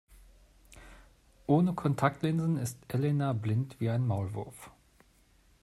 Ohne Kontaktlinsen ist Elena blind wie ein Maulwurf.